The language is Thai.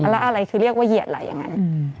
แล้วอะไรคือเรียกว่าเหยียดอะไรอย่างนั้น